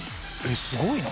すごいな！